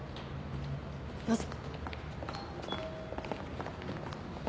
どうぞ。